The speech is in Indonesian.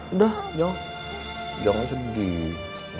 udah jangan sedih